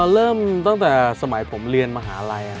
เริ่มตั้งแต่สมัยผมเรียนมหาลัย